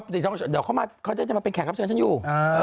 เดี๋ยวเขาจะมาเป็นแขกรับเชิญฉันอยู่